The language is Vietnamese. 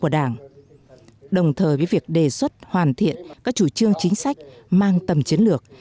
đồng thời với việc đề xuất hoàn thiện các chủ trương chính sách mang tầm chiến lược